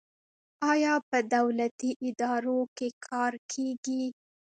آیا په دولتي ادارو کې کار کیږي؟